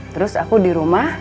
terus aku di rumah